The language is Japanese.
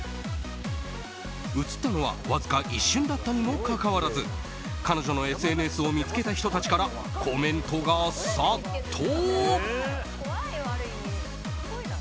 映ったのはわずか一瞬だったにもかかわらず彼女のＳＮＳを見つけた人たちからコメントが殺到。